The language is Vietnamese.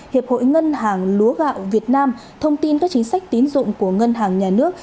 hiệp hội ngân hàng lúa gạo việt nam thông tin các chính sách tín dụng của ngân hàng nhà nước